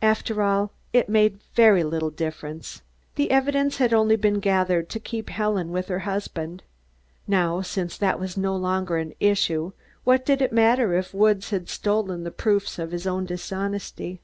After all, it made very little difference. The evidence had only been gathered to keep Helen with her husband. Now, since that was no longer an issue, what did it matter if Woods had stolen the proofs of his own dishonesty.